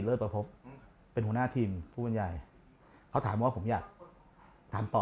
ประพบเป็นหัวหน้าทีมผู้บรรยายเขาถามว่าผมอยากถามต่อ